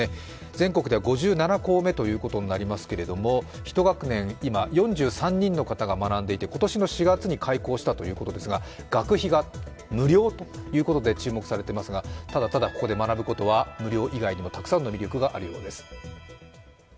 全国では５７校目ということになりますけれども一学年、今４３人の方が学んでいて今年の４月に開校したということですが、学費が無料ということで注目されていますが、ただ、ここで学ぶことは無料以外にもたくさんの魅力があるようです。